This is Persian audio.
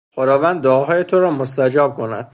خداوند دعاهای تو را مستجاب کند.